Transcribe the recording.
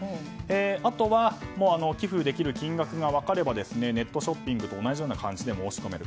あとは寄付できる金額が分かればネットショッピングと同じような感じで申し込める。